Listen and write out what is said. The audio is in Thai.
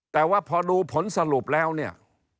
แต่ว่าพอดูผลสรุปแล้วเนี่ย